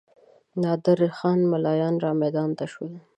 نادر خان ملایان رامیدان ته شول.